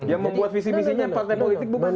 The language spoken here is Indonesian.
yang membuat visi visi nya partai politik bukan